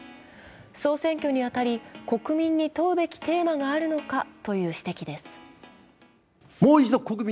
総選挙にあたり、国民に問うべきテーマがあるのかという指摘です。